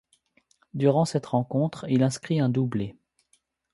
Durant cette rencontre, il inscrit un doublé.